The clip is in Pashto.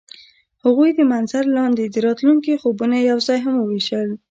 هغوی د منظر لاندې د راتلونکي خوبونه یوځای هم وویشل.